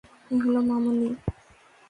Hello, Mamoni!